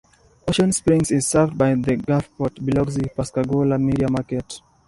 Ocean Springs is served by the Gulfport-Biloxi-Pascagoula media market.